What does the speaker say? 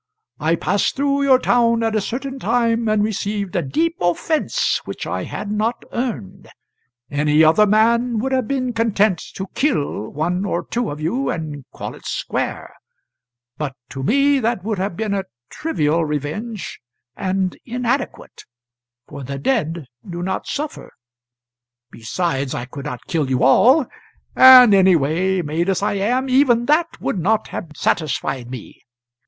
I passed through your town at a certain time, and received a deep offence which I had not earned. Any other man would have been content to kill one or two of you and call it square, but to me that would have been a trivial revenge, and inadequate; for the dead do not suffer. Besides I could not kill you all and, anyway, made as I am, even that would not have satisfied me.